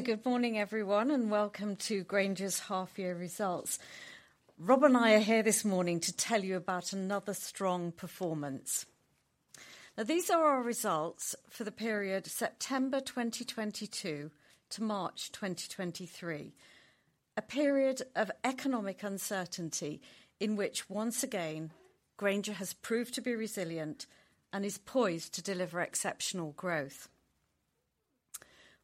Good morning, everyone, and welcome to Grainger's half year results. Rob and I are here this morning to tell you about another strong performance. These are our results for the period September 2022 to March 2023. A period of economic uncertainty in which, once again, Grainger has proved to be resilient and is poised to deliver exceptional growth.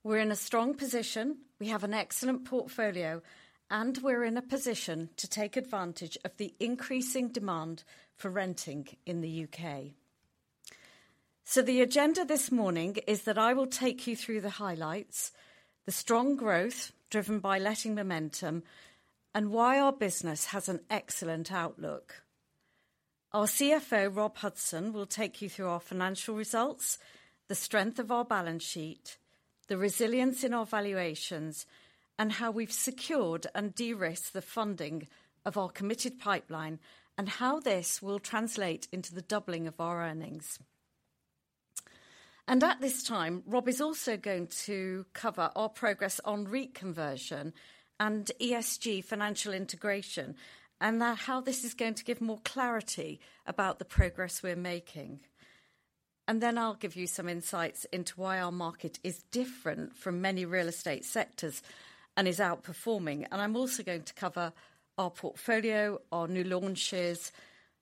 We're in a strong position, we have an excellent portfolio, and we're in a position to take advantage of the increasing demand for renting in the U.K. The agenda this morning is that I will take you through the highlights, the strong growth driven by letting momentum, and why our business has an excellent outlook. Our CFO, Robert Hudson, will take you through our financial results, the strength of our balance sheet, the resilience in our valuations, how we've secured and de-risked the funding of our committed pipeline, and how this will translate into the doubling of our earnings. At this time, Rob is also going to cover our progress on REIT conversion and ESG financial integration, how this is going to give more clarity about the progress we're making. Then I'll give you some insights into why our market is different from many real estate sectors and is outperforming. I'm also going to cover our portfolio, our new launches,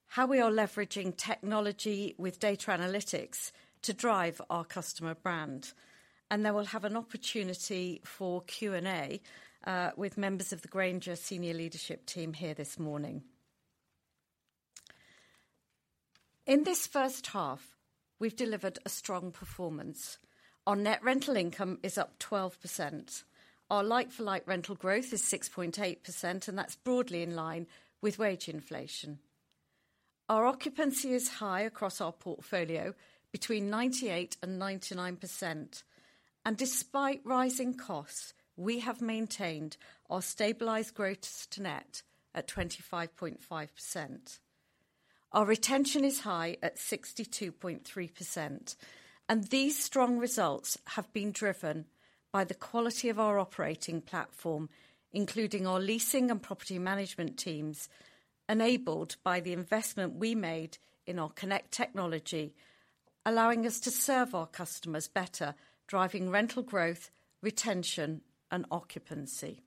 how we are leveraging technology with data analytics to drive our customer brand. Then we'll have an opportunity for Q&A with members of the Grainger senior leadership team here this morning. In this first half, we've delivered a strong performance. Our net rental income is up 12%. Our like-for-like Rental Growth is 6.8%, and that's broadly in line with wage inflation. Our occupancy is high across our portfolio between 98% and 99%. Despite rising costs, we have maintained our stabilized gross to net at 25.5%. Our retention is high at 62.3%. These strong results have been driven by the quality of our operating platform, including our leasing and property management teams, enabled by the investment we made in our CONNECT technology, allowing us to serve our customers better, driving Rental Growth, retention, and occupancy.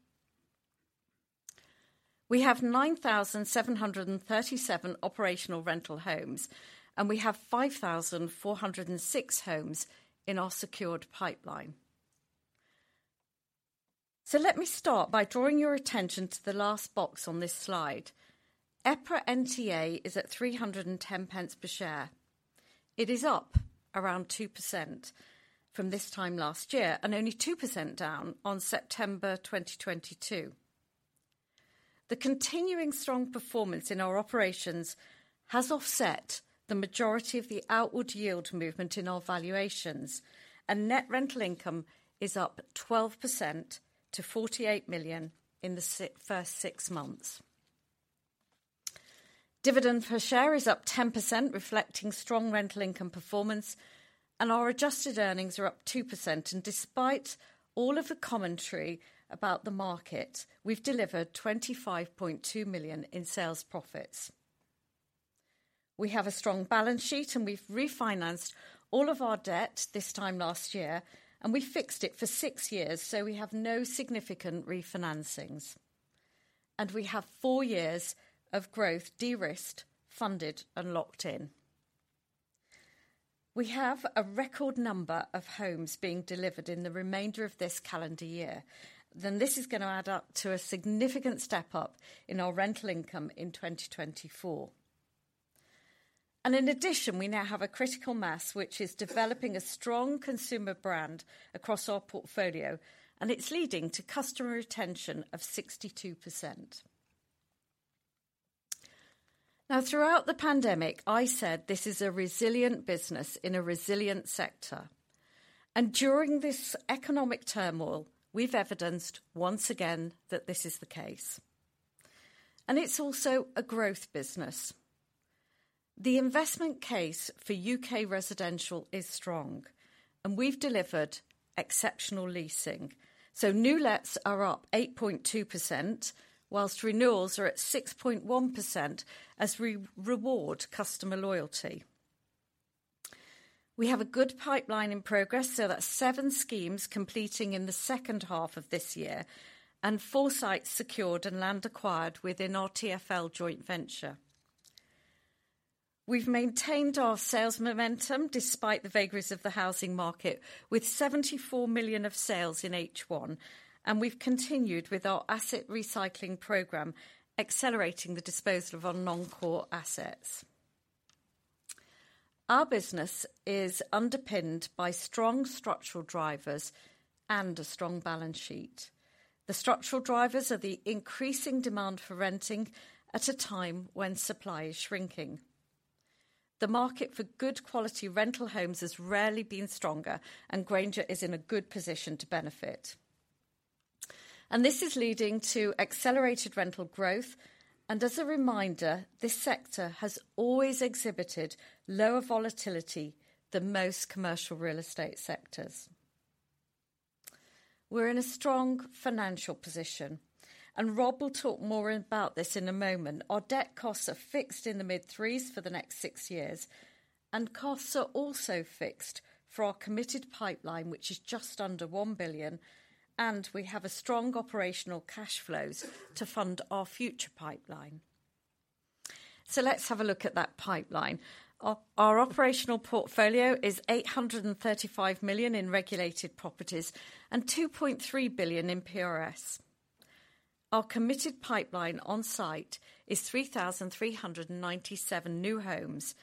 We have 9,737 operational rental homes. We have 5,406 homes in our secured pipeline. Let me start by drawing your attention to the last box on this slide. EPRA NTA is at 310 pence per share. It is up around 2% from this time last year, and only 2% down on September 2022. The continuing strong performance in our operations has offset the majority of the outward yield movement in our valuations, and net rental income is up 12% to 48 million in the first six months. Dividend per share is up 10%, reflecting strong rental income performance, and our adjusted earnings are up 2%. Despite all of the commentary about the market, we've delivered 25.2 million in sales profits. We have a strong balance sheet, and we've refinanced all of our debt this time last year, and we fixed it for six years, so we have no significant refinancings. We have four years of growth de-risked, funded, and locked in. We have a record number of homes being delivered in the remainder of this calendar year, this is gonna add up to a significant step up in our rental income in 2024. In addition, we now have a critical mass, which is developing a strong consumer brand across our portfolio, and it's leading to customer retention of 62%. Throughout the pandemic, I said this is a resilient business in a resilient sector. During this economic turmoil, we've evidenced, once again, that this is the case. It's also a growth business. The investment case for U.K. residential is strong, and we've delivered exceptional leasing. New lets are up 8.2%, whilst renewals are at 6.1% as we reward customer loyalty. We have a good pipeline in progress, that's seven schemes completing in the second half of this year, and four sites secured and land acquired within our TfL joint venture. We've maintained our sales momentum despite the vagaries of the housing market with 74 million of sales in H1, and we've continued with our asset recycling program, accelerating the disposal of our non-core assets. Our business is underpinned by strong structural drivers and a strong balance sheet. The structural drivers are the increasing demand for renting at a time when supply is shrinking. The market for good quality rental homes has rarely been stronger, Grainger is in a good position to benefit. This is leading to accelerated rental growth. As a reminder, this sector has always exhibited lower volatility than most commercial real estate sectors. We're in a strong financial position. Rob will talk more about this in a moment. Our debt costs are fixed in the mid-threes for the next six years. Costs are also fixed for our committed pipeline, which is just under 1 billion. We have strong operational cash flows to fund our future pipeline. Let's have a look at that pipeline. Our operational portfolio is 835 million in regulated properties and 2.3 billion in PRS. Our committed pipeline on site is 3,397 new homes.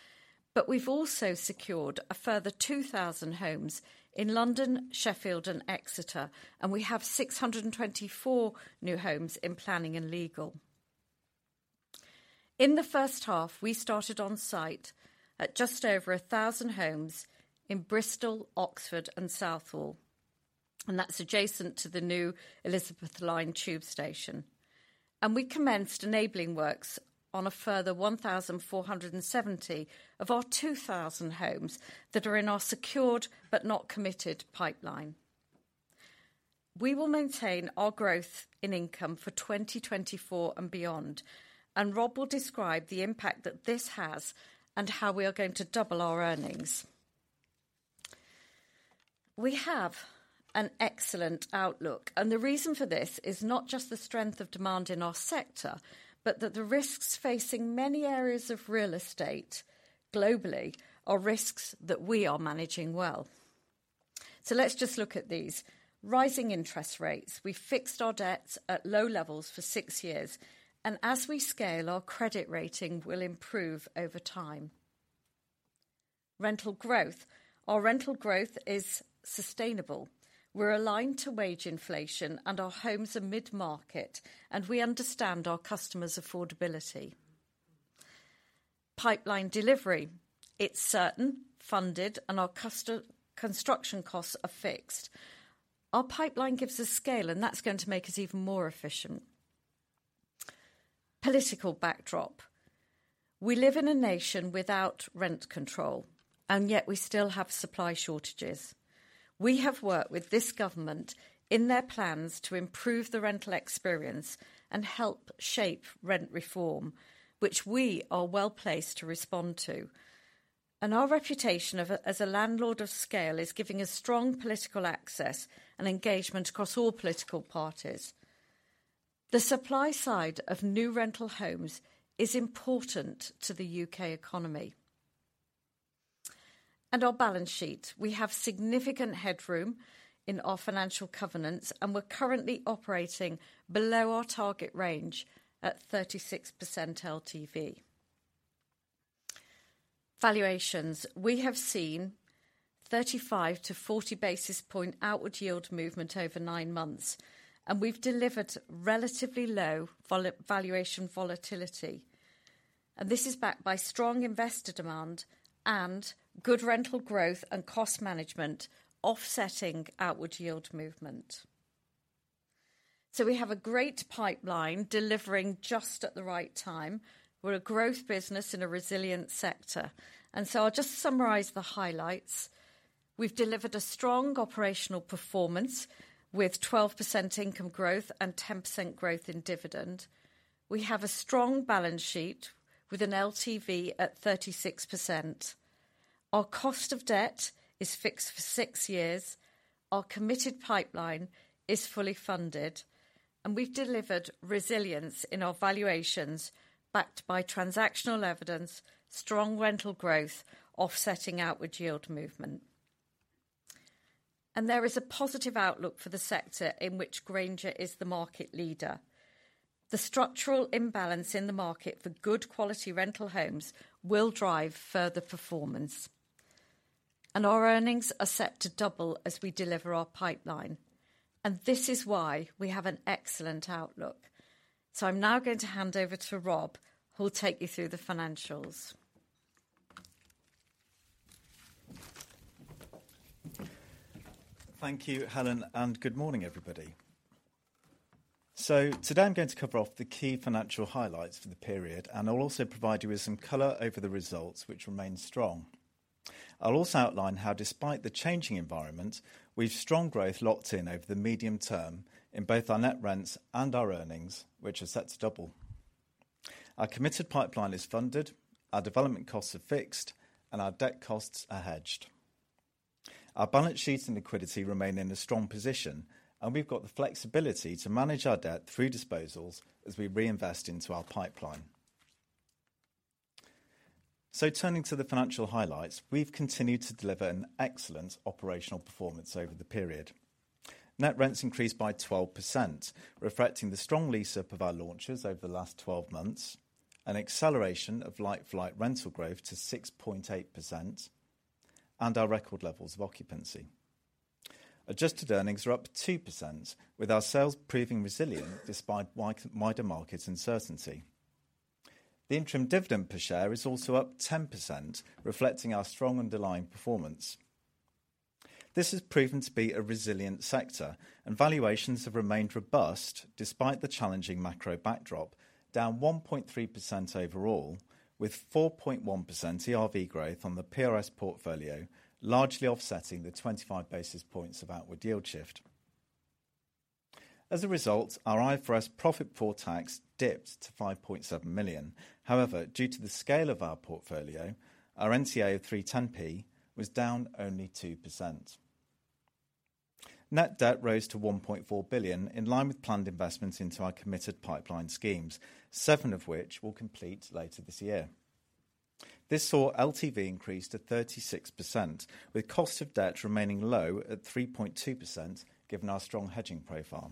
We've also secured a further 2,000 homes in London, Sheffield and Exeter. We have 624 new homes in planning and legal. In the first half, we started on site at just over 1,000 homes in Bristol, Oxford and Southall, and that's adjacent to the new Elizabeth Line tube station. We commenced enabling works on a further 1,470 of our 2,000 homes that are in our secured but not committed pipeline. We will maintain our growth in income for 2024 and beyond, and Rob will describe the impact that this has and how we are going to double our earnings. We have an excellent outlook, and the reason for this is not just the strength of demand in our sector, but that the risks facing many areas of real estate globally are risks that we are managing well. Let's just look at these. Rising interest rates. We fixed our debts at low levels for six years, and as we scale, our credit rating will improve over time. Rental growth. Our rental growth is sustainable. We're aligned to wage inflation and our homes are mid-market, and we understand our customers' affordability. Pipeline delivery. It's certain, funded, and our construction costs are fixed. Our pipeline gives us scale, and that's going to make us even more efficient. Political backdrop. We live in a nation without rent control, and yet we still have supply shortages. We have worked with this Government in their plans to improve the rental experience and help shape rent reform, which we are well-placed to respond to. Our reputation as a landlord of scale is giving us strong political access and engagement across all political parties. The supply side of new rental homes is important to the U.K. economy. Our balance sheet. We have significant headroom in our financial covenants, and we're currently operating below our target range at 36% LTV. Valuations. We have seen 35-40 basis point outward yield movement over nine months, and we've delivered relatively low valuation volatility. This is backed by strong investor demand and good rental growth and cost management offsetting outward yield movement. We have a great pipeline delivering just at the right time. We're a growth business in a resilient sector. I'll just summarize the highlights. We've delivered a strong operational performance with 12% income growth and 10% growth in dividend. We have a strong balance sheet with an LTV at 36%. Our cost of debt is fixed for 6 years. Our committed pipeline is fully funded. We've delivered resilience in our valuations backed by transactional evidence, strong rental growth offsetting outward yield movement. There is a positive outlook for the sector in which Grainger is the market leader. The structural imbalance in the market for good quality rental homes will drive further performance. Our earnings are set to double as we deliver our pipeline. This is why we have an excellent outlook. I'm now going to hand over to Rob, who will take you through the financials. Thank you, Helen. Good morning, everybody. Today, I'm going to cover off the key financial highlights for the period, and I'll also provide you with some color over the results which remain strong. I'll also outline how, despite the changing environment, we have strong growth locked in over the medium term in both our net rents and our earnings, which are set to double. Our committed pipeline is funded, our development costs are fixed, and our debt costs are hedged. Our balance sheet and liquidity remain in a strong position, and we've got the flexibility to manage our debt through disposals as we reinvest into our pipeline. Turning to the financial highlights, we've continued to deliver an excellent operational performance over the period. Net rents increased by 12%, reflecting the strong lease up of our launches over the last 12 months, an acceleration of like-for-like rental growth to 6.8%, and our record levels of occupancy. Adjusted earnings are up 2%, with our sales proving resilient despite wider market uncertainty. The interim dividend per share is also up 10% reflecting our strong underlying performance. This has proven to be a resilient sector, and valuations have remained robust despite the challenging macro backdrop, down 1.3% overall, with 4.1% ERV growth on the PRS portfolio, largely offsetting the 25 basis points of outward yield shift. As a result, our IFRS profit before tax dipped to 5.7 million. However, due to the scale of our portfolio, our NTA of 3.10 was down only 2%. Net debt rose to 1.4 billion in line with planned investments into our committed pipeline schemes, seven of which will complete later this year. This saw LTV increase to 36%, with cost of debt remaining low at 3.2%, given our strong hedging profile.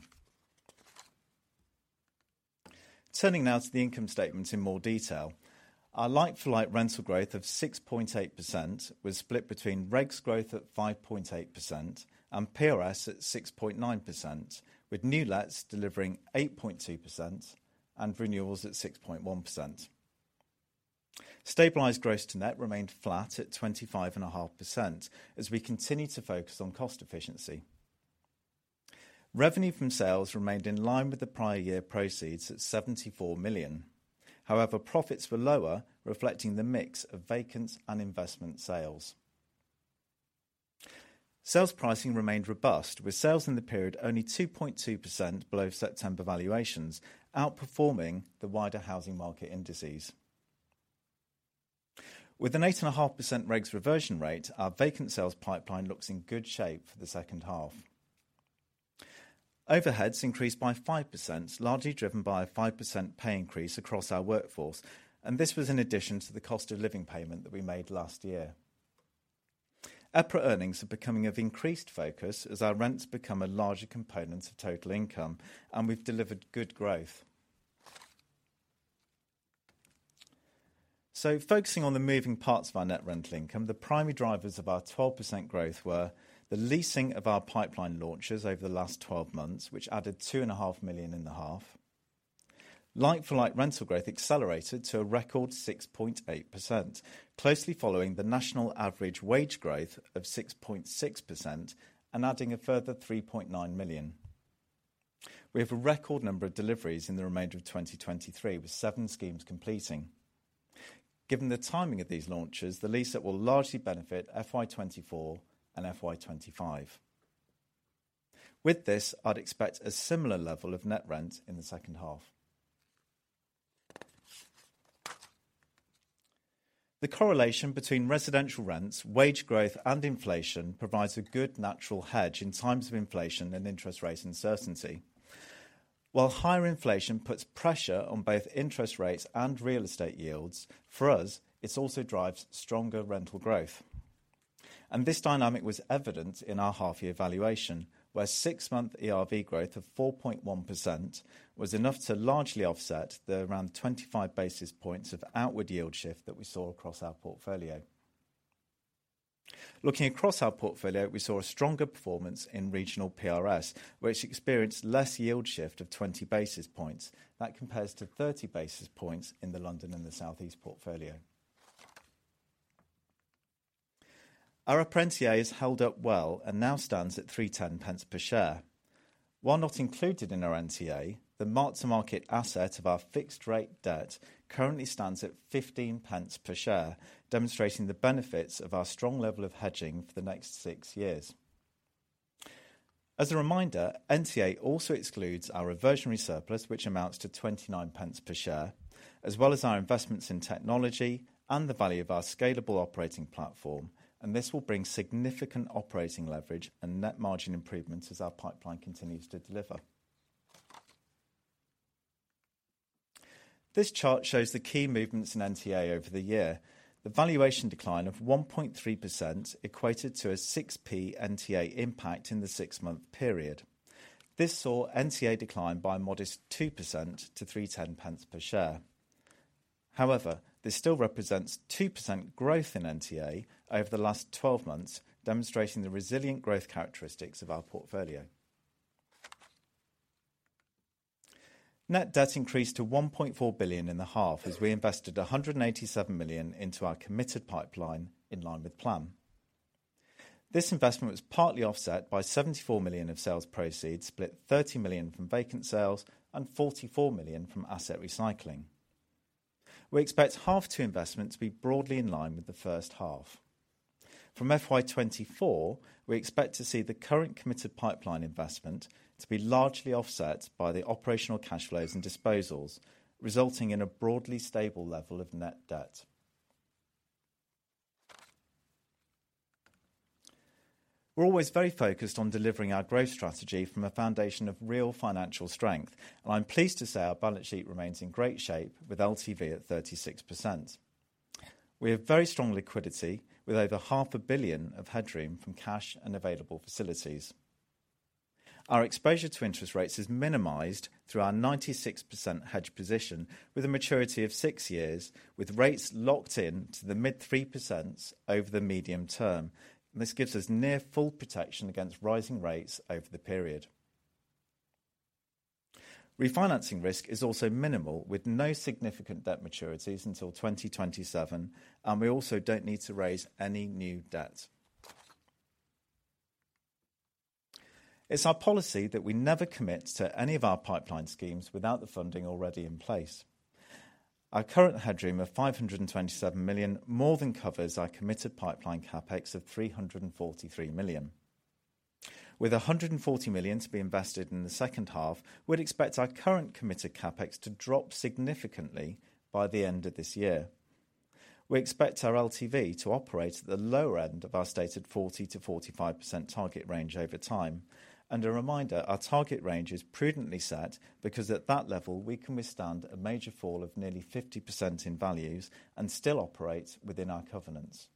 Turning now to the income statement in more detail. Our like-for-like rental growth of 6.8% was split between regs growth at 5.8% and PRS at 6.9%, with new lets delivering 8.2% and renewals at 6.1%. Stabilized gross to net remained flat at 25.5% as we continue to focus on cost efficiency. Revenue from sales remained in line with the prior year proceeds at 74 million. Profits were lower, reflecting the mix of vacants and investment sales. Sales pricing remained robust, with sales in the period only 2.2% below September valuations, outperforming the wider housing market indices. With an 8.5% regs reversion rate, our vacant sales pipeline looks in good shape for the second half. Overheads increased by 5%, largely driven by a 5% pay increase across our workforce. This was in addition to the cost of living payment that we made last year. EPRA earnings are becoming of increased focus as our rents become a larger component of total income. We've delivered good growth. Focusing on the moving parts of our net rental income, the primary drivers of our 12% growth were the leasing of our pipeline launches over the last 12 months, which added two and a half million in the half. Like-for-like rental growth accelerated to a record 6.8%, closely following the national average wage growth of 6.6% and adding a further 3.9 million. We have a record number of deliveries in the remainder of 2023, with seven schemes completing. Given the timing of these launches, the lease that will largely benefit FY 2024 and FY 2025. With this, I'd expect a similar level of net rent in the second half. The correlation between residential rents, wage growth, and inflation provides a good natural hedge in times of inflation and interest rate uncertainty. While higher inflation puts pressure on both interest rates and real estate yields, for us, this also drives stronger rental growth. This dynamic was evident in our half-year valuation, where six-month ERV growth of 4.1% was enough to largely offset the around 25 basis points of outward yield shift that we saw across our portfolio. Looking across our portfolio, we saw a stronger performance in regional PRS, which experienced less yield shift of 20 basis points. That compares to 30 basis points in the London and the Southeast portfolio. Our EPRA NTA has held up well and now stands at 3.10 per share. While not included in our NTA, the mark-to-market asset of our fixed rate debt currently stands at 0.15 per share, demonstrating the benefits of our strong level of hedging for the next six years. As a reminder, NTA also excludes our reversionary surplus, which amounts to 0.29 per share, as well as our investments in technology and the value of our scalable operating platform. This will bring significant operating leverage and net margin improvements as our pipeline continues to deliver. This chart shows the key movements in NTA over the year. The valuation decline of 1.3% equated to a 0.06 NTA impact in the six-month period. This saw NTA decline by a modest 2% to 3.10 per share. However, this still represents 2% growth in NTA over the last 12 months, demonstrating the resilient growth characteristics of our portfolio. Net debt increased to 1.4 billion in the half as we invested 187 million into our committed pipeline in line with plan. This investment was partly offset by 74 million of sales proceeds, split 30 million from vacant sales and 44 million from asset recycling. We expect half two investment to be broadly in line with the first half. From FY 2024, we expect to see the current committed pipeline investment to be largely offset by the operational cash flows and disposals, resulting in a broadly stable level of net debt. We're always very focused on delivering our growth strategy from a foundation of real financial strength, and I'm pleased to say our balance sheet remains in great shape with LTV at 36%. We have very strong liquidity with over half a billion of headroom from cash and available facilities. Our exposure to interest rates is minimized through our 96% hedge position with a maturity of six years, with rates locked in to the mid 3% over the medium term. This gives us near full protection against rising rates over the period. Refinancing risk is also minimal, with no significant debt maturities until 2027. We also don't need to raise any new debt. It's our policy that we never commit to any of our pipeline schemes without the funding already in place. Our current headroom of 527 million more than covers our committed pipeline CapEx of 343 million. With 140 million to be invested in the second half, we'd expect our current committed CapEx to drop significantly by the end of this year. We expect our LTV to operate at the lower end of our stated 40%-45% target range over time. A reminder, our target range is prudently set because at that level, we can withstand a major fall of nearly 50% in values and still operate within our covenants.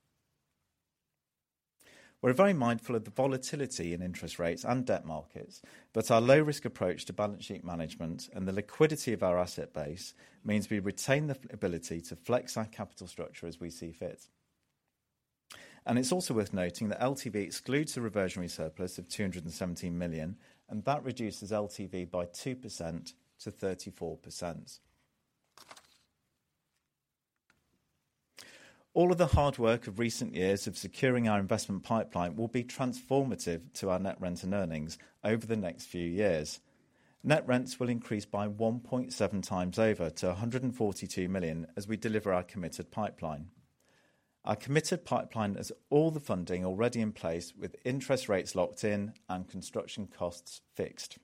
We're very mindful of the volatility in interest rates and debt markets, but our low-risk approach to balance sheet management and the liquidity of our asset base means we retain the ability to flex our capital structure as we see fit. It's also worth noting that LTV excludes the reversionary surplus of 217 million, and that reduces LTV by 2% to 34%. All of the hard work of recent years of securing our investment pipeline will be transformative to our net rent and earnings over the next few years. Net rents will increase by 1.7x over to 142 million as we deliver our committed pipeline. Our committed pipeline has all the funding already in place, with interest rates locked in and construction costs fixed.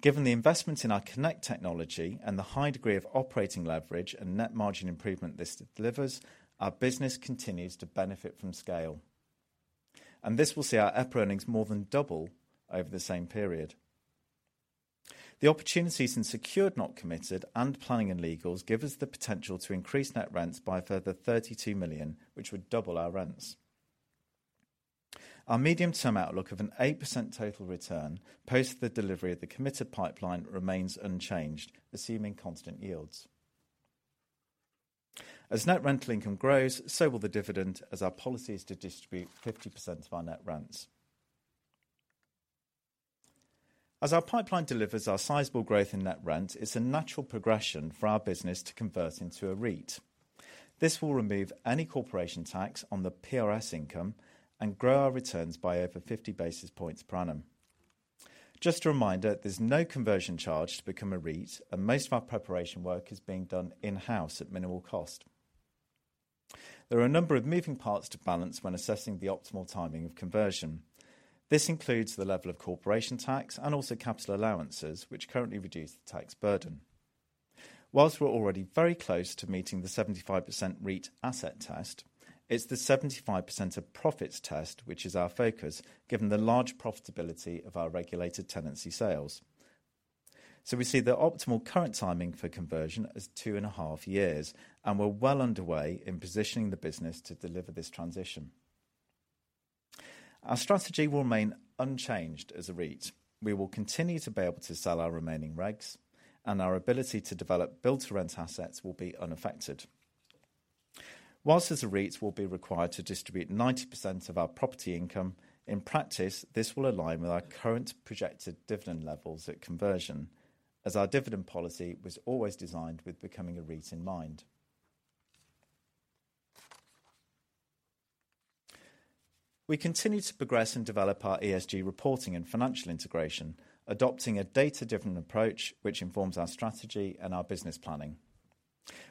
Given the investment in our CONNECT technology and the high degree of operating leverage and net margin improvement this delivers, our business continues to benefit from scale. This will see our EPRA earnings more than double over the same period. The opportunities in secured not committed and planning and legals give us the potential to increase net rents by a further 32 million, which would double our rents. Our medium-term outlook of an 8% total return post the delivery of the committed pipeline remains unchanged, assuming constant yields. As net rental income grows, so will the dividend as our policy is to distribute 50% of our net rents. As our pipeline delivers our sizable growth in net rent, it's a natural progression for our business to convert into a REIT. This will remove any corporation tax on the PRS income and grow our returns by over 50 basis points per annum. Just a reminder, there's no conversion charge to become a REIT, and most of our preparation work is being done in-house at minimal cost. There are a number of moving parts to balance when assessing the optimal timing of conversion. This includes the level of corporation tax and also capital allowances, which currently reduce the tax burden. Whilst we're already very close to meeting the 75% REIT asset test, it's the 75% of profits test, which is our focus, given the large profitability of our regulated tenancy sales. We see the optimal current timing for conversion as two and a half years, and we're well underway in positioning the business to deliver this transition. Our strategy will remain unchanged as a REIT. We will continue to be able to sell our remaining regs, and our ability to develop build-to-rent assets will be unaffected. Whilst as a REIT, we'll be required to distribute 90% of our property income, in practice, this will align with our current projected dividend levels at conversion, as our dividend policy was always designed with becoming a REIT in mind. We continue to progress and develop our ESG reporting and financial integration, adopting a data-driven approach which informs our strategy and our business planning.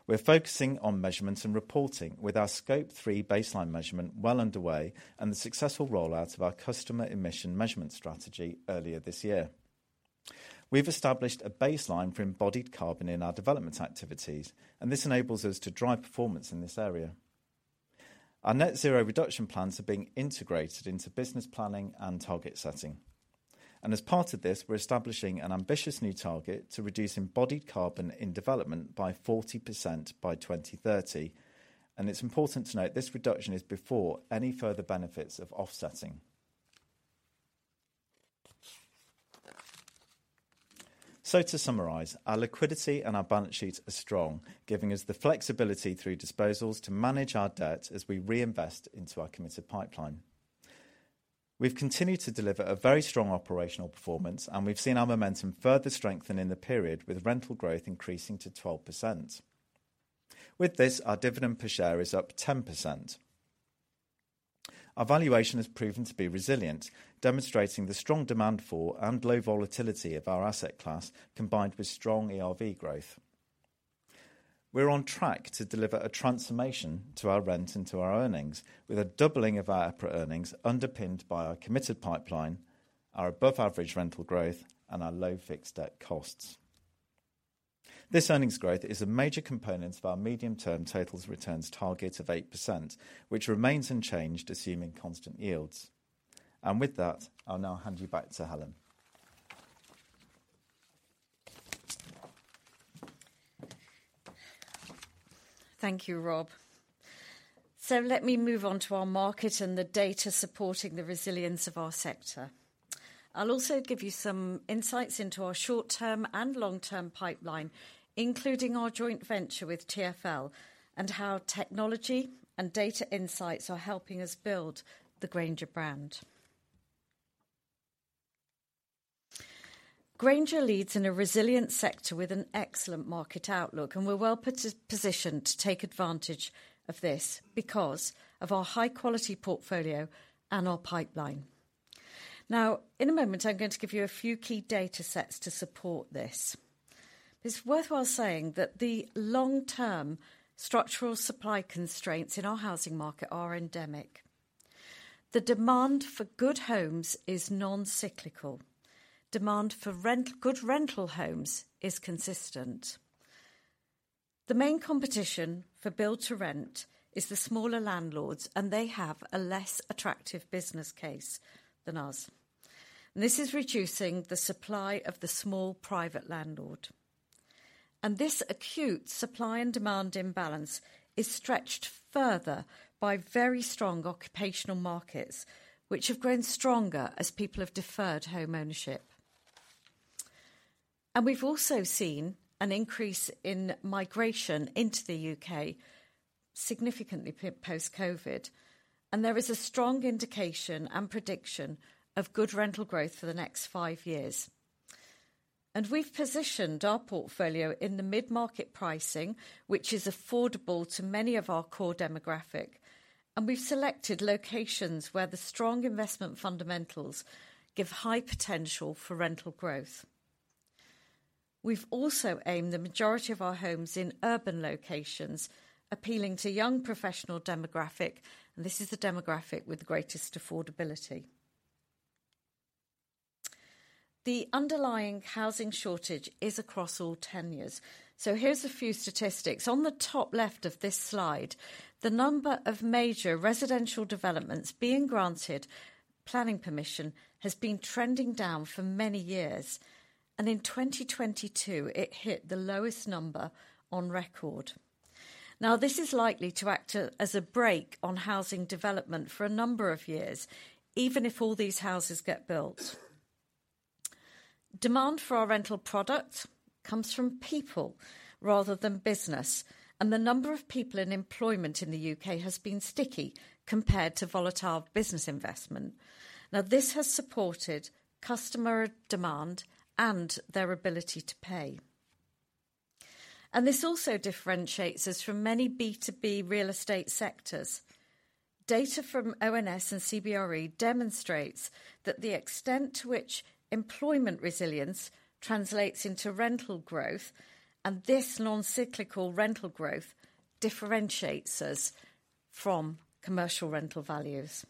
We're focusing on measurements and reporting with our Scope three baseline measurement well underway and the successful rollout of our customer emission measurement strategy earlier this year. We've established a baseline for embodied carbon in our development activities. This enables us to drive performance in this area. Our net zero reduction plans are being integrated into business planning and target setting. As part of this, we're establishing an ambitious new target to reduce embodied carbon in development by 40% by 2030. It's important to note this reduction is before any further benefits of offsetting. To summarize, our liquidity and our balance sheets are strong, giving us the flexibility through disposals to manage our debt as we reinvest into our committed pipeline. We've continued to deliver a very strong operational performance, and we've seen our momentum further strengthen in the period with Rental Growth increasing to 12%. With this, our dividend per share is up 10%. Our valuation has proven to be resilient, demonstrating the strong demand for and low volatility of our asset class, combined with strong ERV growth. We're on track to deliver a transformation to our rent and to our earnings, with a doubling of our EPRA earnings underpinned by our committed pipeline, our above-average Rental Growth, and our low fixed debt costs. This earnings growth is a major component of our medium-term total returns target of 8%, which remains unchanged, assuming constant yields. With that, I'll now hand you back to Helen. Thank you, Rob. Let me move on to our market and the data supporting the resilience of our sector. I'll also give you some insights into our short-term and long-term pipeline, including our joint venture with TfL, and how technology and data insights are helping us build the Grainger brand. Grainger leads in a resilient sector with an excellent market outlook, and we're well positioned to take advantage of this because of our high-quality portfolio and our pipeline. In a moment, I'm going to give you a few key data sets to support this. It's worthwhile saying that the long-term structural supply constraints in our housing market are endemic. The demand for good homes is non-cyclical. Demand for good rental homes is consistent. The main competition for Build to Rent is the smaller landlords, and they have a less attractive business case than us. This is reducing the supply of the small private landlord. This acute supply and demand imbalance is stretched further by very strong occupational markets which have grown stronger as people have deferred home ownership. We've also seen an increase in migration into the U.K., significantly post COVID, and there is a strong indication and prediction of good rental growth for the next five years. We've positioned our portfolio in the mid-market pricing, which is affordable to many of our core demographic, and we've selected locations where the strong investment fundamentals give high potential for rental growth. We've also aimed the majority of our homes in urban locations, appealing to young professional demographic. This is the demographic with the greatest affordability. The underlying housing shortage is across all tenures. Here's a few statistics. On the top left of this slide, the number of major residential developments being granted planning permission has been trending down for many years, and in 2022 it hit the lowest number on record. This is likely to act as a brake on housing development for a number of years, even if all these houses get built. Demand for our rental products comes from people rather than business, and the number of people in employment in the U.K. has been sticky compared to volatile business investment. This has supported customer demand and their ability to pay. This also differentiates us from many B2B real estate sectors. Data from ONS and CBRE demonstrates that the extent to which employment resilience translates into rental growth, and this non-cyclical rental growth differentiates us from commercial rental values.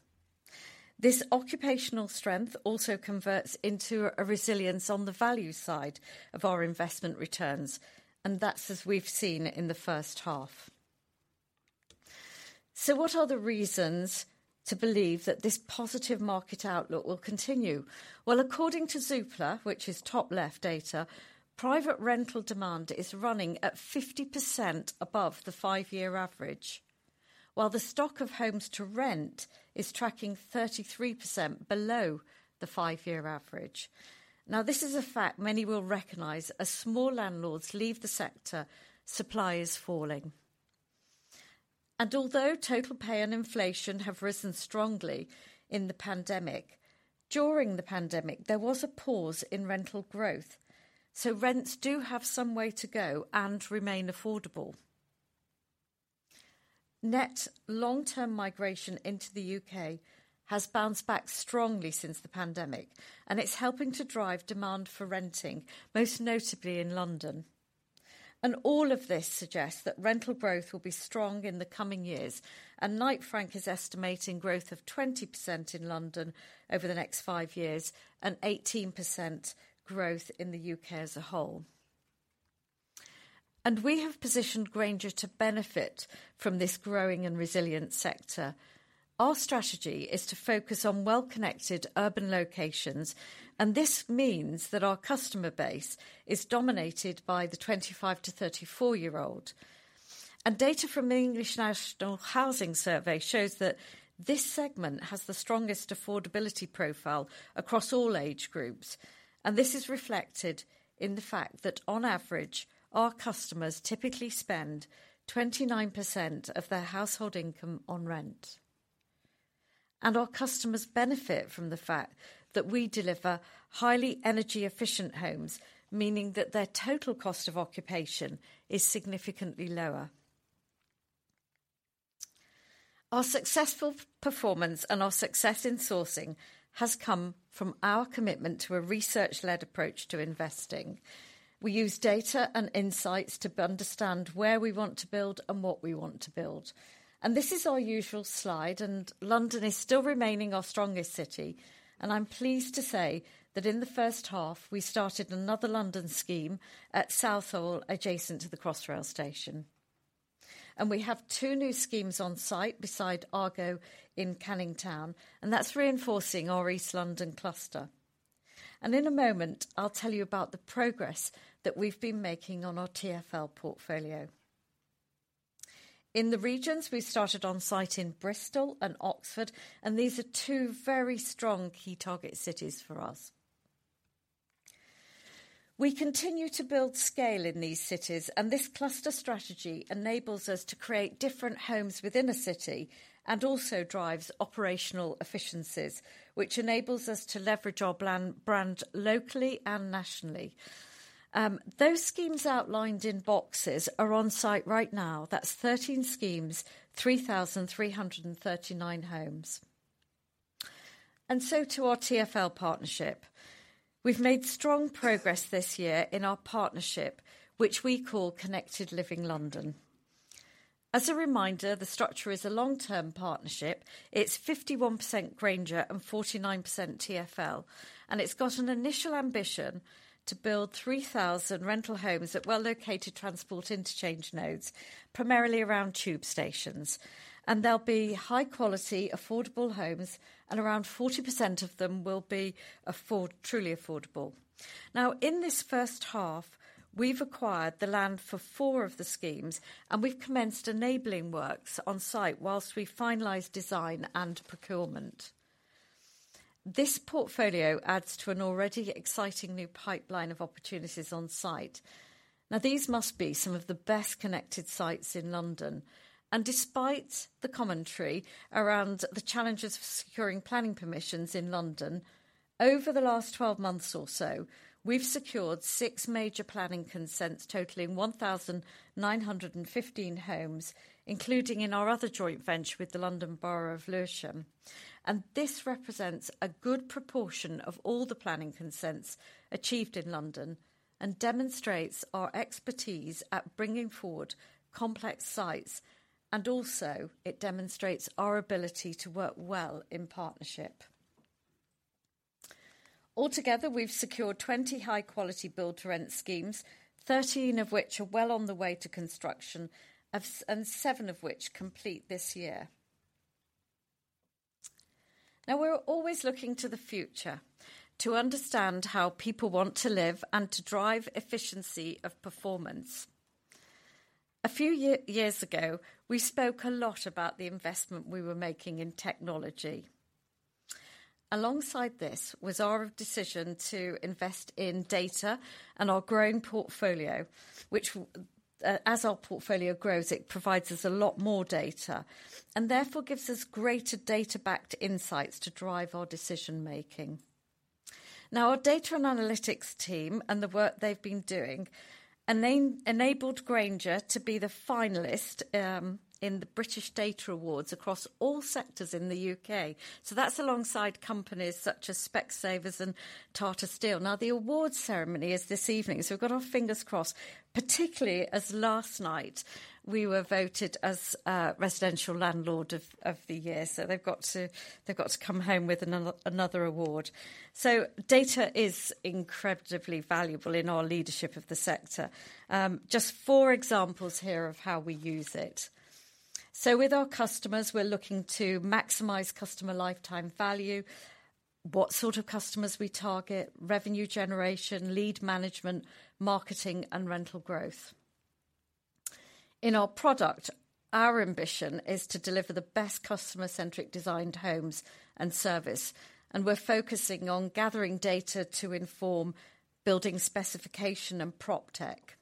This occupational strength also converts into a resilience on the value side of our investment returns, That's as we've seen in the first half. What are the reasons to believe that this positive market outlook will continue? Well, according to Zoopla, which is top left data, private rental demand is running at 50% above the five-year average, while the stock of homes to rent is tracking 33% below the five-year average. Now, this is a fact many will recognize. As small landlords leave the sector, supply is falling. Although total pay and inflation have risen strongly in the pandemic, during the pandemic, there was a pause in rental growth, Rents do have some way to go and remain affordable. Net long-term migration into the UK has bounced back strongly since the pandemic, It's helping to drive demand for renting, most notably in London. All of this suggests that rental growth will be strong in the coming years. Knight Frank is estimating growth of 20% in London over the next five years and 18% growth in the U.K. as a whole. We have positioned Grainger to benefit from this growing and resilient sector. Our strategy is to focus on well-connected urban locations. This means that our customer base is dominated by the 25- to 34-year-old. Data from the English Housing Survey shows that this segment has the strongest affordability profile across all age groups. This is reflected in the fact that on average, our customers typically spend 29% of their household income on rent. Our customers benefit from the fact that we deliver highly energy-efficient homes, meaning that their total cost of occupation is significantly lower. Our successful performance and our success in sourcing has come from our commitment to a research-led approach to investing. We use data and insights to understand where we want to build and what we want to build. This is our usual slide, and London is still remaining our strongest city. I'm pleased to say that in the first half, we started another London scheme at Southall, adjacent to the Crossrail station. We have two new schemes on site beside Argo in Canning Town, and that's reinforcing our East London cluster. In a moment, I'll tell you about the progress that we've been making on our TfL portfolio. In the regions, we started on site in Bristol and Oxford. These are two very strong key target cities for us. We continue to build scale in these cities. This cluster strategy enables us to create different homes within a city and also drives operational efficiencies, which enables us to leverage our brand locally and nationally. Those schemes outlined in boxes are on site right now. That's 13 schemes, 3,339 homes. To our TfL partnership. We've made strong progress this year in our partnership, which we call Connected Living London. As a reminder, the structure is a long-term partnership. It's 51% Grainger and 49% TfL, and it's got an initial ambition to build 3,000 rental homes at well-located transport interchange nodes, primarily around tube stations. They'll be high-quality, affordable homes, and around 40% of them will be truly affordable. In this first half, we've acquired the land for four of the schemes, and we've commenced enabling works on site whilst we finalize design and procurement. This portfolio adds to an already exciting new pipeline of opportunities on site. These must be some of the best-connected sites in London. Despite the commentary around the challenges of securing planning permissions in London, over the last 12 months or so, we've secured six major planning consents totaling 1,915 homes, including in our other joint venture with the London Borough of Lewisham. This represents a good proportion of all the planning consents achieved in London and demonstrates our expertise at bringing forward complex sites, and also it demonstrates our ability to work well in partnership. Altogether, we've secured 20 high-quality Build to Rent schemes, 13 of which are well on the way to construction and seven of which complete this year. We're always looking to the future to understand how people want to live and to drive efficiency of performance. A few years ago, we spoke a lot about the investment we were making in technology. Alongside this was our decision to invest in data and our growing portfolio, which as our portfolio grows, it provides us a lot more data and therefore gives us greater data-backed insights to drive our decision-making. Our data and analytics team and the work they've been doing enabled Grainger to be the finalist in the British Data Awards across all sectors in the U.K. That's alongside companies such as Specsavers and Tata Steel. The awards ceremony is this evening, we've got our fingers crossed, particularly as last night, we were voted as residential landlord of the year. They've got to come home with another award. Data is incredibly valuable in our leadership of the sector. Just four examples here of how we use it. With our customers, we're looking to maximize customer lifetime value, what sort of customers we target, revenue generation, lead management, marketing, and rental growth. In our product, our ambition is to deliver the best customer-centric designed homes and service, and we're focusing on gathering data to inform building specification and PropTech.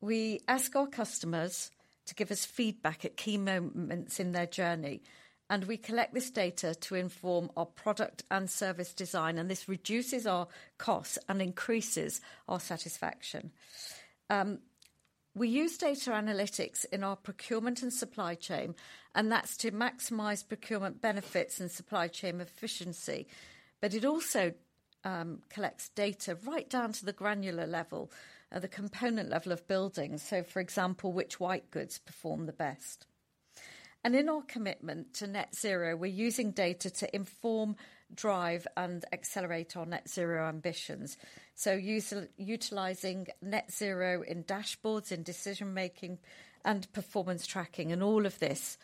We ask our customers to give us feedback at key moments in their journey, and we collect this data to inform our product and service design, and this reduces our costs and increases our satisfaction. We use data analytics in our procurement and supply chain, and that's to maximize procurement benefits and supply chain efficiency. It also collects data right down to the granular level at the component level of buildings, for example, which white goods perform the best. In our commitment to net zero, we're using data to inform, drive, and accelerate our net zero ambitions. Utilizing net zero in dashboards, in decision-making, and performance tracking, all of this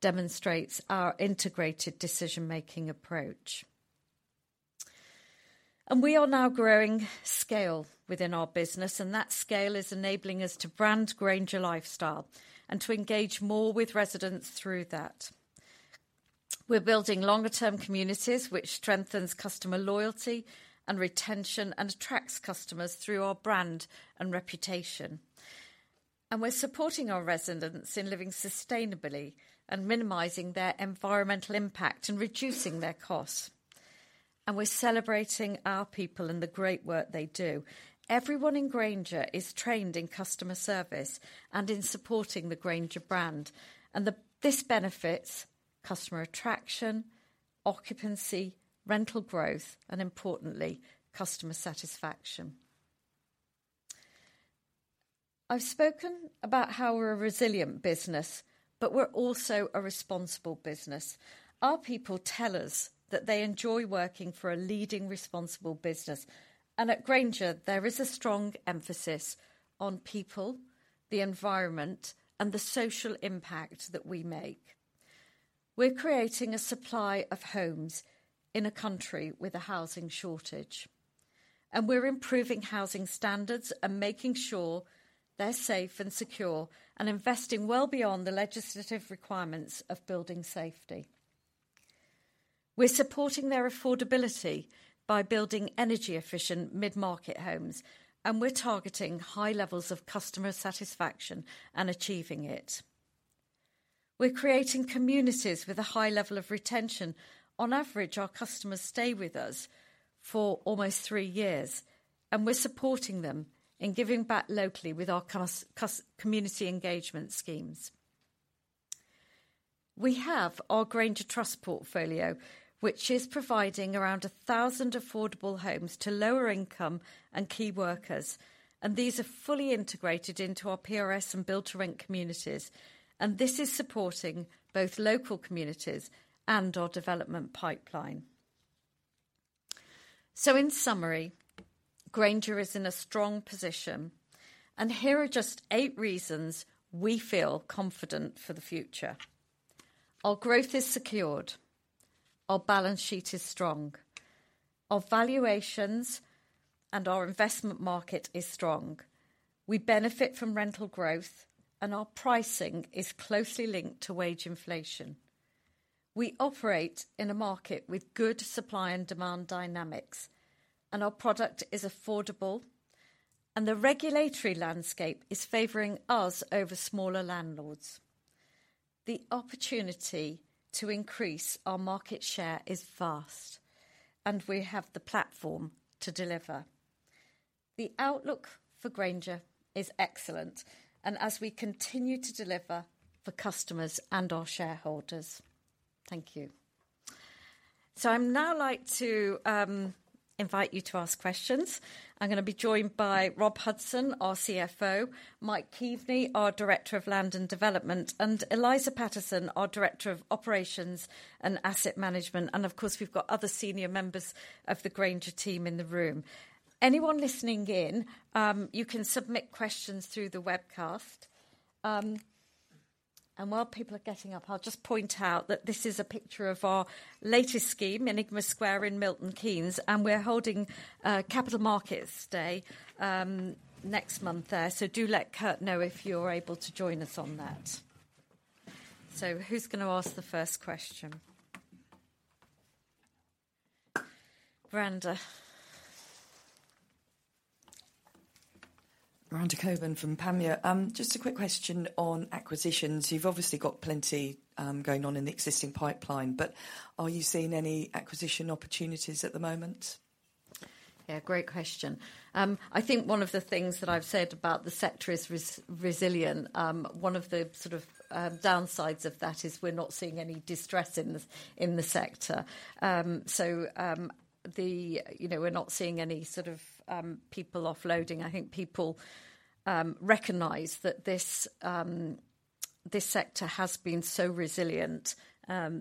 demonstrates our integrated decision-making approach. We are now growing scale within our business, and that scale is enabling us to brand Grainger Lifestyle and to engage more with residents through that. We're building longer-term communities which strengthens customer loyalty and retention and attracts customers through our brand and reputation. We're supporting our residents in living sustainably and minimizing their environmental impact and reducing their costs. We're celebrating our people and the great work they do. Everyone in Grainger is trained in customer service and in supporting the Grainger brand, this benefits customer attraction, occupancy, rental growth, and importantly, customer satisfaction. I've spoken about how we're a resilient business, but we're also a responsible business. Our people tell us that they enjoy working for a leading responsible business. At Grainger, there is a strong emphasis on people, the environment, and the social impact that we make. We're creating a supply of homes in a country with a housing shortage. We're improving housing standards and making sure they're safe and secure and investing well beyond the legislative requirements of building safety. We're supporting their affordability by building energy efficient mid-market homes, and we're targeting high levels of customer satisfaction and achieving it. We're creating communities with a high level of retention. On average, our customers stay with us for almost three years. We're supporting them in giving back locally with our community engagement schemes. We have our Grainger Trust portfolio, which is providing around 1,000 affordable homes to lower income and key workers. These are fully integrated into our PRS and Build to Rent communities. This is supporting both local communities and our development pipeline. In summary, Grainger is in a strong position. Here are just eight reasons we feel confident for the future. Our growth is secured. Our balance sheet is strong. Our valuations and our investment market is strong. We benefit from rental growth, and our pricing is closely linked to wage inflation. We operate in a market with good supply and demand dynamics, and our product is affordable, and the regulatory landscape is favoring us over smaller landlords. The opportunity to increase our market share is vast, we have the platform to deliver. The outlook for Grainger is excellent, as we continue to deliver for customers and our shareholders. Thank you. I'd now like to invite you to ask questions. I'm gonna be joined by Robert Hudson, our CFO, Michael Keaveney, our Director of Land & Development, and Eliza Pattinson, our Director of Operations and Asset Management. Of course, we've got other senior members of the Grainger team in the room. Anyone listening in, you can submit questions through the webcast. While people are getting up, I'll just point out that this is a picture of our latest scheme, Enigma Square in Milton Keynes, and we're holding a capital markets day next month there. Do let Kurt know if you're able to join us on that. Who's gonna ask the first question? Miranda. Miranda Cockburn from Panmure Gordon. Just a quick question on acquisitions. You've obviously got plenty going on in the existing pipeline. Are you seeing any acquisition opportunities at the moment? Yeah, great question. I think one of the things that I've said about the sector is resilient. One of the sort of, downsides of that is we're not seeing any distress in the sector. You know, we're not seeing any sort of, people offloading. I think people, recognize that this sector has been so resilient,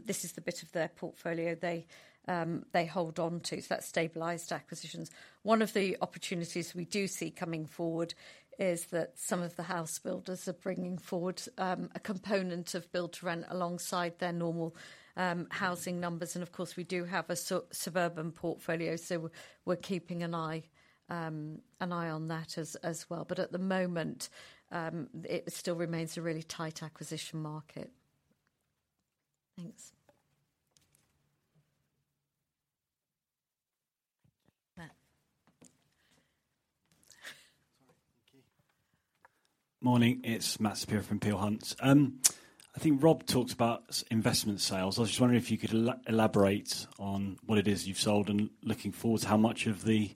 this is the bit of their portfolio they hold on to. That's stabilized acquisitions. One of the opportunities we do see coming forward is that some of the house builders are bringing forward, a component of Build to Rent alongside their normal, housing numbers. Of course, we do have a suburban portfolio, we're keeping an eye on that as well. At the moment, it still remains a really tight acquisition market. Thanks. Matt. Sorry. Thank you. Morning, it's Matthew Saperia from Peel Hunt. I think Rob talked about investment sales. I was just wondering if you could elaborate on what it is you've sold and looking forward to how much of the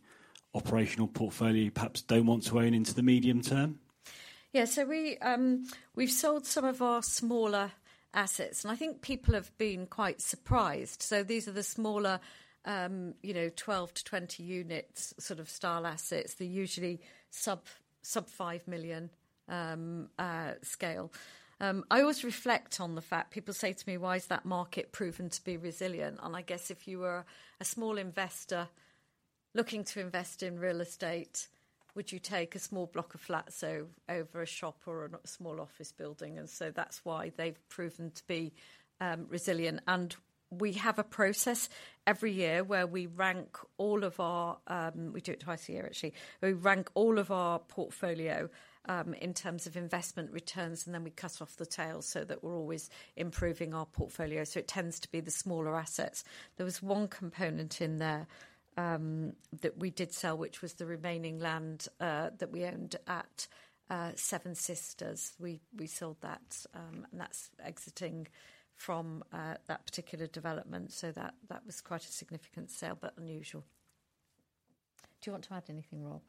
operational portfolio you perhaps don't want to own into the medium term. We've sold some of our smaller assets, I think people have been quite surprised. These are the smaller, you know, 12 to 20 units sort of style assets. They're usually sub 5 million scale. I always reflect on the fact people say to me, "Why is that market proven to be resilient?" I guess if you were a small investor looking to invest in real estate, would you take a small block of flats over a shop or a small office building? That's why they've proven to be resilient. We have a process every year where we rank all of our... We do it twice a year actually. We rank all of our portfolio in terms of investment returns, and then we cut off the tail so that we're always improving our portfolio. It tends to be the smaller assets. There was one component in there that we did sell, which was the remaining land that we owned at Seven Sisters. We sold that, and that's exiting from that particular development. That was quite a significant sale, but unusual. Do you want to add anything, Rob?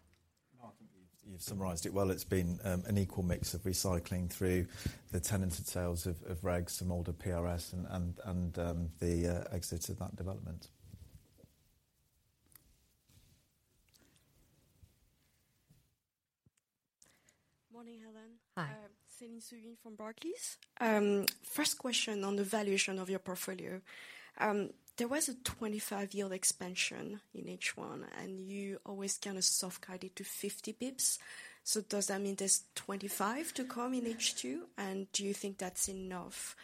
No, I think you've summarized it well. It's been an equal mix of recycling through the tenanted sales of regs, some older PRS and the exit of that development. Morning, Helen. Hi. Céline Soo-Huynh from Barclays. First question on the valuation of your portfolio. There was a 25 yield expansion in H1, you always kind of soft guided to 50 bps. Does that mean there's 25 to come in H2? Do you think that's enough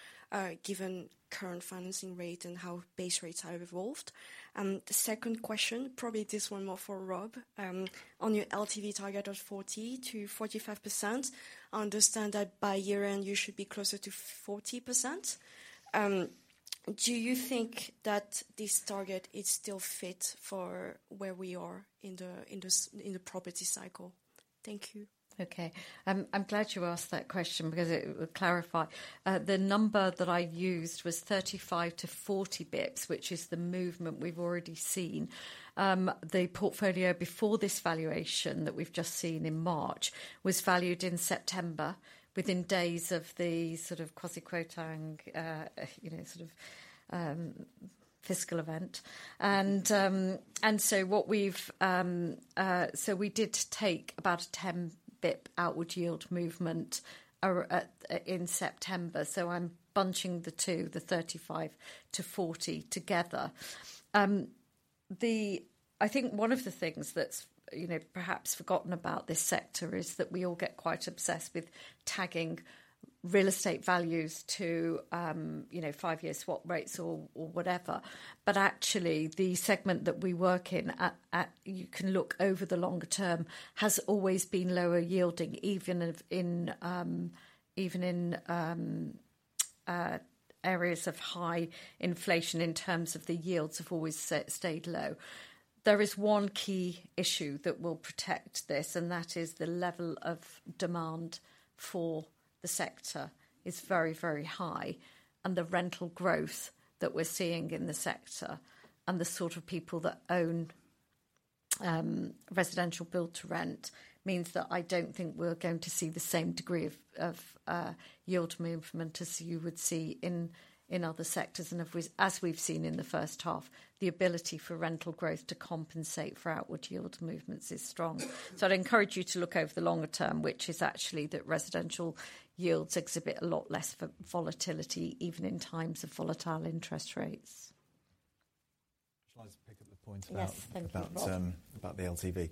given current financing rate and how base rates have evolved? The second question, probably this one more for Rob, on your LTV target of 40%-45%, I understand that by year-end you should be closer to 40%. Do you think that this target is still fit for where we are in the property cycle? Thank you. Okay. I'm glad you asked that question because it will clarify. The number that I used was 35 bps-40 bps, which is the movement we've already seen. The portfolio before this valuation that we've just seen in March, was valued in September, within days of the sort of Kwasi Kwarteng and, you know, fiscal event. So what we've so we did take about a 10 bps outward yield movement at in September, so I'm bunching the two, the 35-40 together. I think one of the things that's, you know, perhaps forgotten about this sector is that we all get quite obsessed with tagging real estate values to, you know, five years swap rates or whatever. Actually, the segment that we work in at you can look over the longer term, has always been lower yielding even if in, even in areas of high inflation in terms of the yields have always stayed low. There is one key issue that will protect this, and that is the level of demand for the sector is very, very high, and the rental growth that we're seeing in the sector, and the sort of people that own residential Build to Rent means that I don't think we're going to see the same degree of yield movement as you would see in other sectors. If we as we've seen in the first half, the ability for rental growth to compensate for outward yield movements is strong. I'd encourage you to look over the longer term, which is actually that residential yields exhibit a lot less volatility, even in times of volatile interest rates. Shall I just pick up the point about. Yes. Thank you, Rob. About the LTV.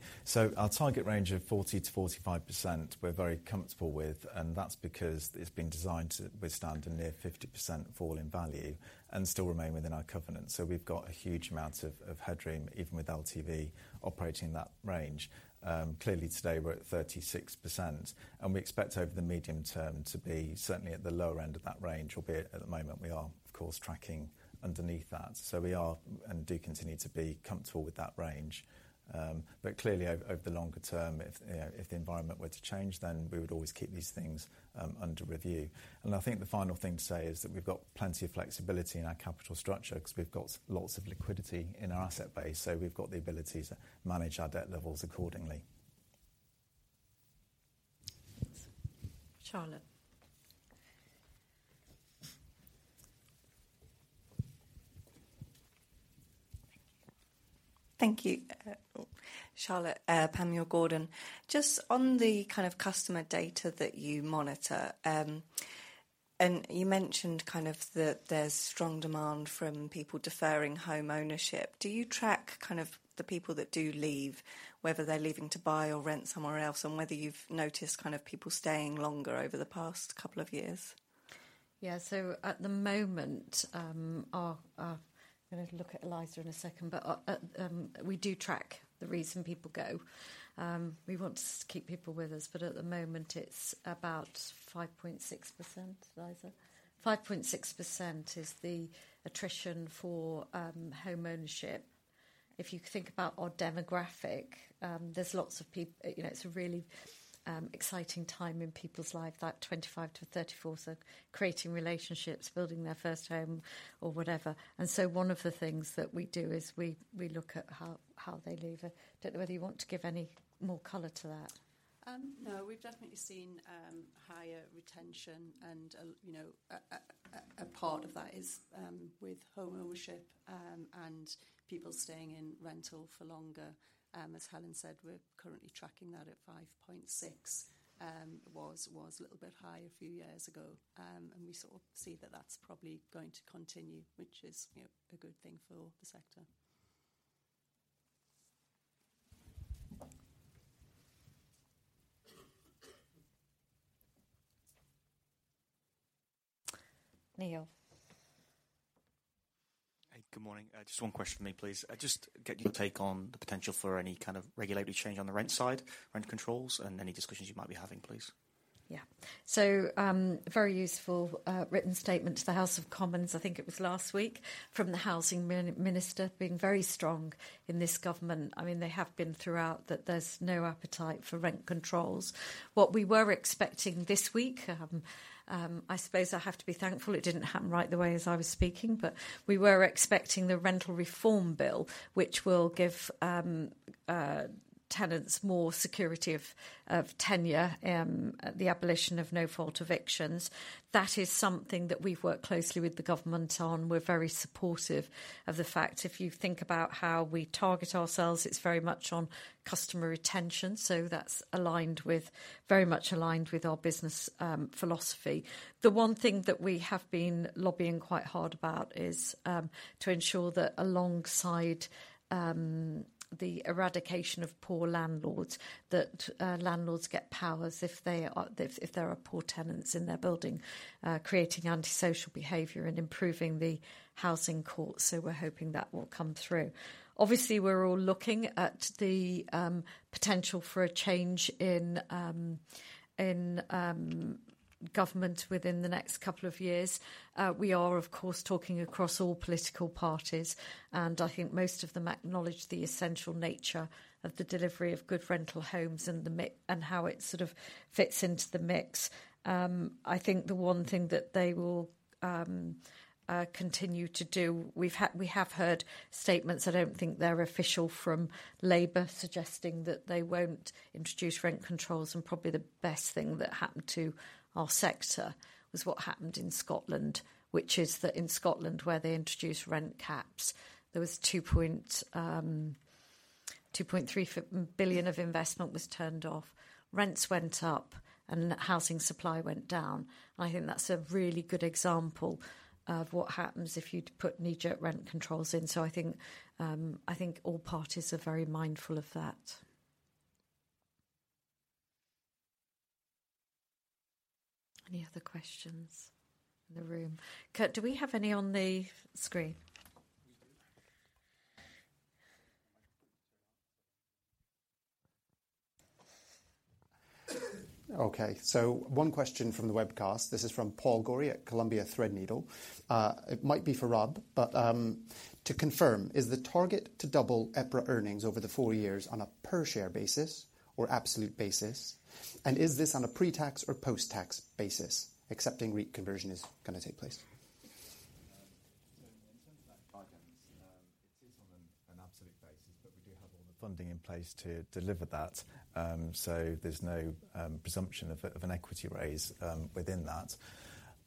Our target range of 40%-45%, we're very comfortable with, and that's because it's been designed to withstand a near 50% fall in value and still remain within our covenant. We've got a huge amount of headroom, even with LTV operating in that range. Clearly to today, we're at 36%, and we expect over the medium term to be certainly at the lower end of that range, albeit at the moment, we are of course, tracking underneath that. We are and do continue to be comfortable with that range. But clearly over the longer term, if the environment were to change, then we would always keep these things under review. I think the final thing to say is that we've got plenty of flexibility in our capital structure 'cause we've got lots of liquidity in our asset base, so we've got the ability to manage our debt levels accordingly. Thanks. Charlotte. Thank you. Charlotte, Panmure Gordon. On the kind of customer data that you monitor, you mentioned kind of the, there's strong demand from people deferring homeownership. Do you track kind of the people that do leave, whether they're leaving to buy or rent somewhere else, and whether you've noticed kind of people staying longer over the past couple of years? Yeah. At the moment, I'm gonna look at Eliza in a second, but we do track the reason people go. We want to keep people with us, but at the moment, it's about 5.6%, Eliza. 5.6% is the attrition for homeownership. If you think about our demographic, there's lots of You know, it's a really exciting time in people's life. That 25 to 34, so creating relationships, building their first home or whatever. One of the things that we do is we look at how they leave. Don't know whether you want to give any more color to that. No. We've definitely seen higher retention and a part of that is with homeownership, and people staying in rental for longer. As Helen said, we're currently tracking that at 5.6%. Was a little bit high a few years ago. We sort of see that that's probably going to continue, which is, you know, a good thing for the sector. Neil. Hey, good morning. Just one question from me, please. Just get your take on the potential for any kind of regulatory change on the rent side, rent controls, and any discussions you might be having, please. Very useful written statement to the House of Commons, I think it was last week, from the Housing Minister, being very strong in this government. I mean, they have been throughout, that there's no appetite for rent controls. What we were expecting this week, I suppose I have to be thankful it didn't happen right the way as I was speaking. We were expecting the Renters' Rights Act, which will give tenants more security of tenure, the abolition of no-fault evictions. That is something that we've worked closely with the government on. We're very supportive of the fact, if you think about how we target ourselves, it's very much on customer retention, so that's aligned with, very much aligned with our business philosophy. The one thing that we have been lobbying quite hard about is to ensure that alongside the eradication of poor landlords, that landlords get powers if there are poor tenants in their building, creating antisocial behavior and improving the housing court. We're hoping that will come through. Obviously, we're all looking at the potential for a change in Government within the next couple of years. We are of course talking across all political parties, and I think most of them acknowledge the essential nature of the delivery of good rental homes and how it sort of fits into the mix. I think the one thing that they will continue to do. We have heard statements, I don't think they're official, from Labour suggesting that they won't introduce rent controls. Probably the best thing that happened to our sector was what happened in Scotland, which is that in Scotland where they introduced rent caps, there was 2.3 billion of investment was turned off. Rents went up and housing supply went down. I think that's a really good example of what happens if you'd put knee-jerk rent controls in. I think all parties are very mindful of that. Any other questions in the room? Kurt, do we have any on the screen? We do. Okay, one question from the webcast. This is from Paul Gorrie at Columbia Threadneedle. It might be for Rob, but to confirm, is the target to double EPRA earnings over the four years on a per share basis or absolute basis? Is this on a pre-tax or post-tax basis? Accepting REIT conversion is gonna take place. In terms of that guidance, it is on an absolute basis, we do have all the funding in place to deliver that. There's no presumption of an equity raise within that.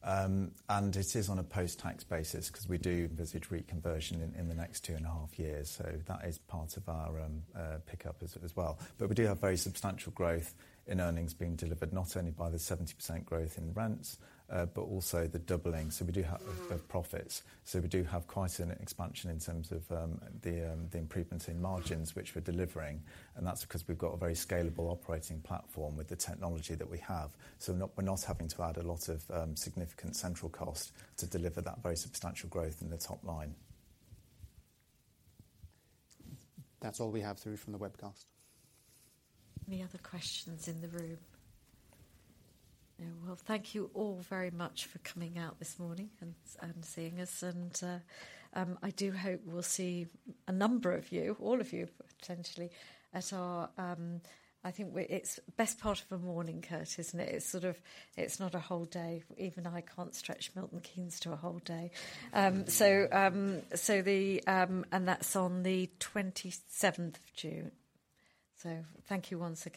It is on a post-tax basis because we do visit REIT conversion in the next two and a half years, that is part of our pickup as well. We do have very substantial growth in earnings being delivered, not only by the 70% growth in rents, but also the doubling. The profits. We do have quite an expansion in terms of the improvements in margins which we're delivering, and that's because we've got a very scalable operating platform with the technology that we have. We're not having to add a lot of significant central cost to deliver that very substantial growth in the top line. That's all we have through from the webcast. Any other questions in the room? Yeah. Well, thank you all very much for coming out this morning and seeing us and, I do hope we'll see a number of you, all of you potentially, at our... I think It's best part of a morning, Kurt, isn't it? It's sort of... It's not a whole day. Even I can't stretch Milton Keynes to a whole day. That's on the June 27th. Thank you once again.